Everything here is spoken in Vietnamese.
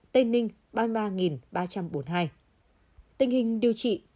tình hình điều trị